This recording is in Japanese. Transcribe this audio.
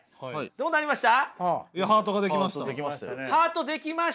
どうなりました？